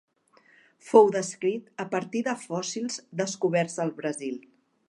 Fou descrit a partir de fòssils descoberts al Brasil.